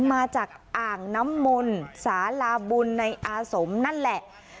มาจากอ่างน้ำมนต์สาลาบุญในอาสมนั่นแหละ